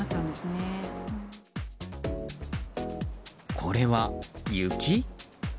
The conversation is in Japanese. これは雪？